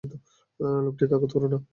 লোকটিকে আঘাত করো না!